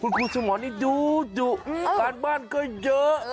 คุณครูสมรนี่ดุการบ้านก็เยอะ